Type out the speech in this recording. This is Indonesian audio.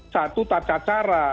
satu tata cara